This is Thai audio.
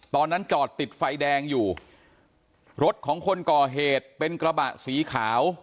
ตอนนั้นจอดติดไฟแดงอยู่รถของคนก่อเหตุเป็นกระบะสีขาว